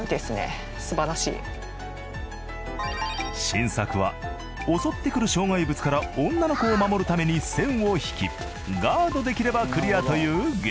新作は襲ってくる障害物から女の子を守るために線を引きガードできればクリアというゲーム。